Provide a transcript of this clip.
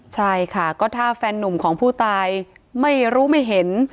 ใช่ค่ะก็ถ้าแฟนนุ่มของผู้ตายไม่รู้ไม่เห็น